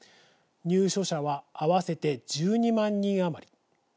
入所者は合わせて１２万人余り。